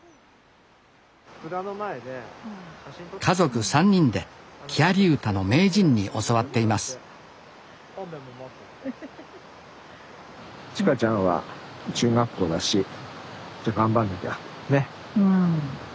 家族３人で木遣り歌の名人に教わっています知花ちゃんは中学校だしじゃ頑張んなきゃね。